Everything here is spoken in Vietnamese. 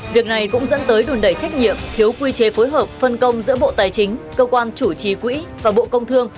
việc này cũng dẫn tới đùn đẩy trách nhiệm thiếu quy chế phối hợp phân công giữa bộ tài chính cơ quan chủ trì quỹ và bộ công thương